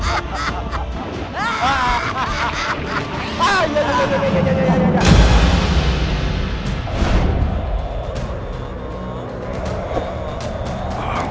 tapi kamu tidak bosan